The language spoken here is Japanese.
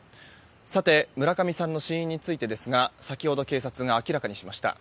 さて村上さんの死因についてですが先ほど警察が明らかにしました。